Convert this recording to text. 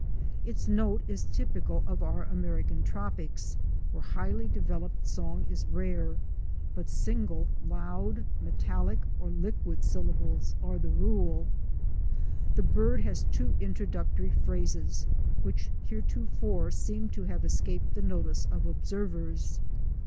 Its note is typical of our American tropics, where highly developed song is rare, but single loud, metallic or liquid syllables are the rule. The bird has two introductory phrases which heretofore seem to have escaped the notice of observers.